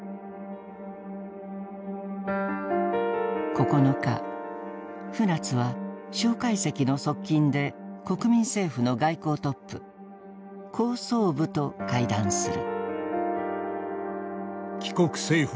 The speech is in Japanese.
９日船津は蒋介石の側近で国民政府の外交トップ高宗武と会談する。